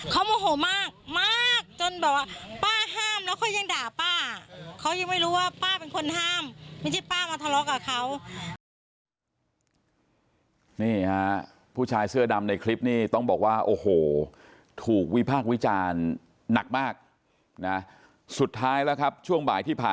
เขาโมโหมากมากจนแบบว่าป้าห้ามแล้วเขายังด่าป้า